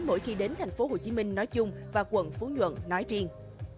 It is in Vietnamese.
mỗi khi đến thành phố hồ chí minh nói chung và quận phú nhuận nói riêng